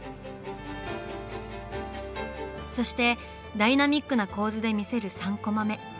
そしてダイナミックな構図で見せる３コマ目。